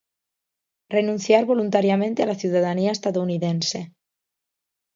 Renunciar voluntariamente a la ciudadanía estadounidense.